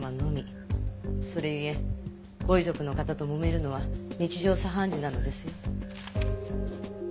それゆえご遺族の方ともめるのは日常茶飯事なのですよ。